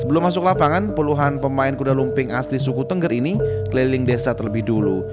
sebelum masuk lapangan puluhan pemain kuda lumping asli suku tengger ini keliling desa terlebih dulu